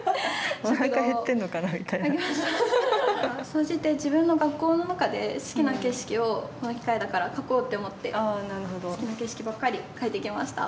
総じて自分の学校の中で好きな景色をこの機会だから描こうって思って好きな景色ばっかり描いてきました。